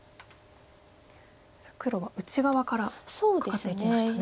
さあ黒は内側からカカっていきましたね。